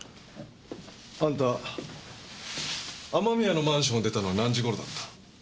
あんた雨宮のマンションを出たのは何時ごろだった？